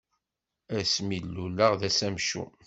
Ass mi d-luleɣ d ass amcum.